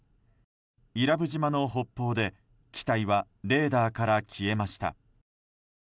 伊良部島の北方で機体はレーダーから消えました。